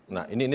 nah ini juga